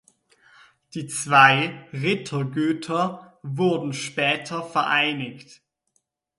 Die zwei Rittergüter wurden später vereinigt.